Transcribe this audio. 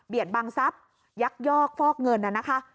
เบียดบังทรัพย์ยักยอกฟอกเงินนะฮะ